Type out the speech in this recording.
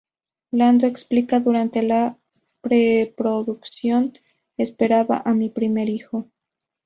Landon explica: "Durante la preproducción... esperaba a mi primer hijo.